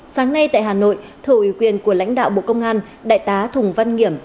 sáng nay tại hà nội thợ ủy quyền của lãnh đạo bộ công an đại tá thùng văn nghiểm